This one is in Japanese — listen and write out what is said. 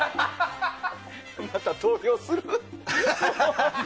また投票する？